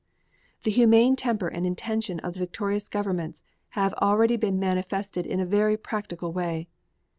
The humane temper and intention of the victorious governments have already been manifested in a very practical way.